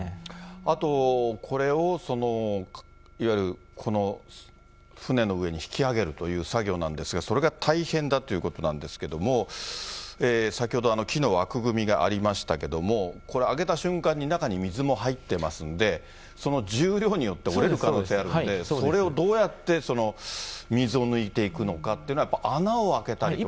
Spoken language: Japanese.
あと、これを船の上に引きあげるという作業なんですが、それが大変だということなんですけれども、先ほど、木の枠組みがありましたけども、これ、あげた瞬間に中に水も入ってますんで、その重量によって折れる可能性あるんで、それをどうやって水を抜いていくのかっていうのは、やっぱり穴を開けたりとか。